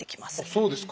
そうですか！